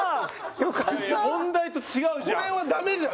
問題と違うじゃん。